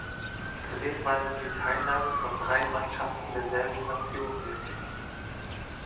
Zudem war nun die Teilnahme von drei Mannschaften derselben Nation möglich.